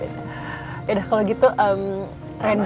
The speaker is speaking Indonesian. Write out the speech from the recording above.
yaudah kalau gitu randy